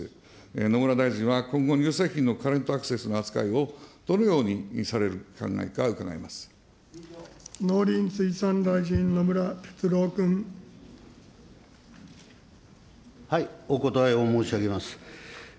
野村大臣は今後、乳製品のカレント・アクセスの扱いをどのようにされる考えか、農林水産大臣、お答えを申し上げます。